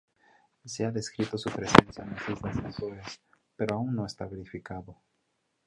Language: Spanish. Se ha descrito su presencia en las islas Azores, pero aún no está verificado.